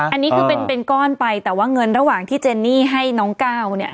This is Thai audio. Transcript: อันนี้คือเป็นก้อนไปแต่ว่าเงินระหว่างที่เจนนี่ให้น้องก้าวเนี่ย